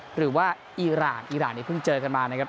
หรือว่าอีรานอีรานนี่เพิ่งเจอกันมานะครับ